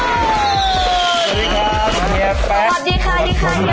สวัสดีครับเฮียแป๊ะ